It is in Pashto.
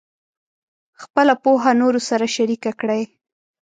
خپله پوهه نورو سره شریکه کړئ.